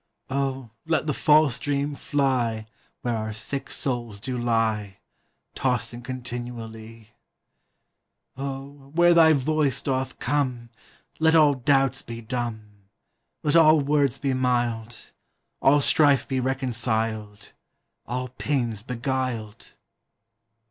O, let the false dream fly Where our sick souls do lie, Tossing continually. O, where thy voice doth come, Let all doubts be dumb; Let all words be mild; All strife be reconciled; All pains beguiled.